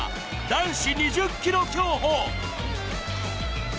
男子２０ｋｍ競歩。